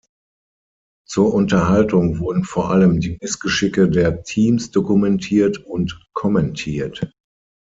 Zur Unterhaltung wurden vor allem die Missgeschicke der Teams dokumentiert und kommentiert.